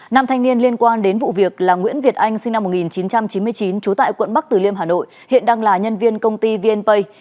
nam thanh niên liên quan đến vụ việc là nguyễn việt anh sinh năm một nghìn chín trăm chín mươi chín trú tại quận bắc tử liêm hà nội hiện đang là nhân viên công ty vnpay